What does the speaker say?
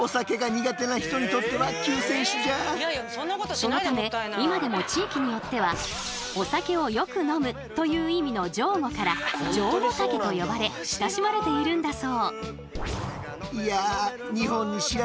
そのため今でも地域によってはお酒をよく飲むという意味の「上戸」から上戸茸と呼ばれ親しまれているんだそう。